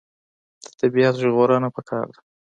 د طبیعت ژغورنه پکار ده.